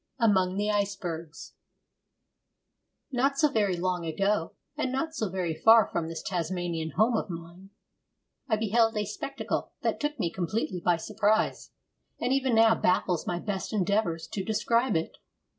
IX AMONG THE ICEBERGS Not so very long ago, and not so very far from this Tasmanian home of mine, I beheld a spectacle that took me completely by surprise, and even now baffles my best endeavours to describe it.